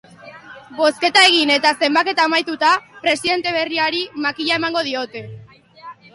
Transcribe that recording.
Bozketa egin eta zenbaketa amaituta presidente berriari makila emango diote.